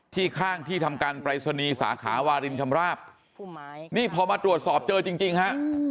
ข้างที่ทำการปรายศนีย์สาขาวารินชำราบนี่พอมาตรวจสอบเจอจริงฮะ